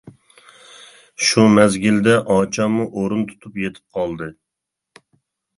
شۇ مەزگىلدە ئاچاممۇ ئورۇن تۇتۇپ يېتىپ قالدى.